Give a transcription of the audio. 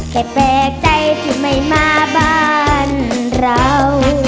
แต่แปลกใจที่ไม่มาบ้านเรา